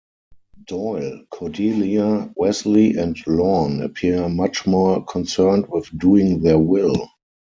Doyle, Cordelia, Wesley and Lorne appear much more concerned with doing their will.